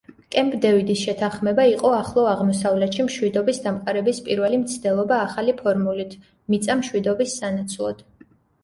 კემპ-დევიდის შეთანხმება იყო ახლო აღმოსავლეთში მშვიდობის დამყარების პირველი მცდელობა ახალი ფორმულით: „მიწა მშვიდობის სანაცვლოდ“.